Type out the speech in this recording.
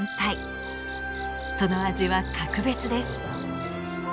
その味は格別です。